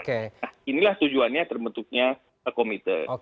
nah inilah tujuannya terbentuknya komite